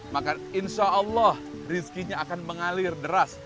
maka insyaallah rizkinya akan mengalir deras